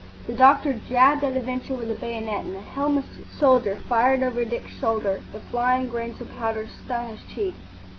The doctor jabbed at a venture with a bayonet, and a helmetless soldier fired over Dick's shoulder: the flying grains of powder stung his cheek.